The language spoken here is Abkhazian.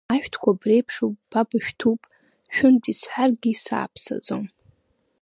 Ашәҭқәа бреиԥшуп, ба бышәҭуп, шәынтә исҳәаргьы сааԥсаӡом.